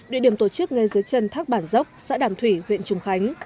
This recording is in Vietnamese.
địa điểm tổ chức ngay dưới chân thác bản dốc xã đàm thủy huyện trùng khánh